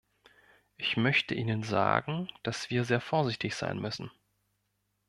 Ich möchte Ihnen sagen, dass wir sehr vorsichtig sein müssen.